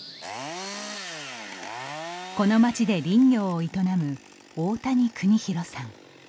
この町で林業を営む大谷訓大さん。